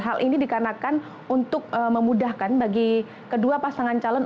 hal ini dikarenakan untuk memudahkan bagi kedua pasangan calon